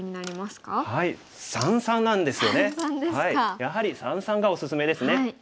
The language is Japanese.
やはり三々がおすすめですね。